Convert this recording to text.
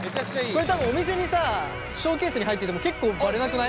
これ多分お店にさショーケースに入ってても結構バレなくない？